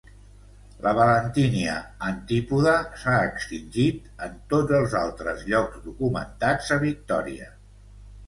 La "Ballantinia antipoda" s'ha extingit en tots els altres llocs documentats a Victoria.